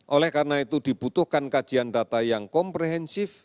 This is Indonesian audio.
oleh karena itu dibutuhkan kajian data yang komprehensif